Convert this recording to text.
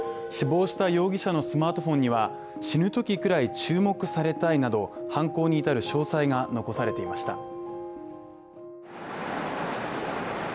死亡した容疑者のスマートフォンには死ぬときくらい注目されたいなど犯行に至る詳細が残されていました。